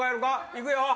いくよ。